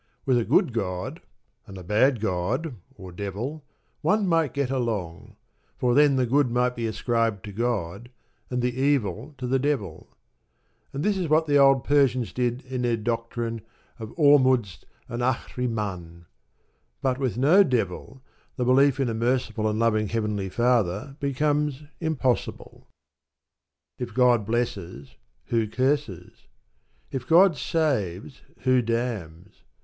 With a good God, and a bad God (or Devil), one might get along; for then the good might be ascribed to God, and the evil to the Devil. And that is what the old Persians did in their doctrine of Ormuzd and Ahrimann. But with no Devil the belief in a merciful and loving Heavenly Father becomes impossible. If God blesses, who curses? If God saves, who damns?